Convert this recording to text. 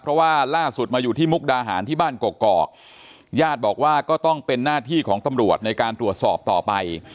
เพราะว่าล่าสุดมาอยู่ที่มุกดาหารที่บ้านกอกญาติบอกว่าก็ต้องเป็นหน้าที่ของตำรวจในการตรวจสอบต่อไป